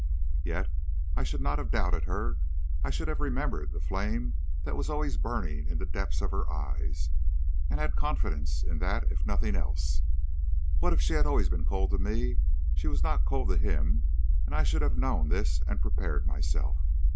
"Yet I should not have doubted her; I should have remembered the flame that was always burning in the depths of her eyes, and had confidence in that, if in nothing else. What if she had always been cold to me; she was not cold to him, and I should have known this and prepared myself.